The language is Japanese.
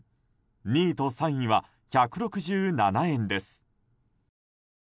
２位と３位は１６７円です。